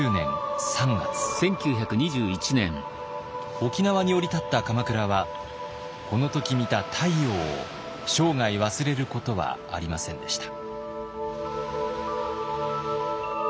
沖縄に降り立った鎌倉はこの時見た太陽を生涯忘れることはありませんでした。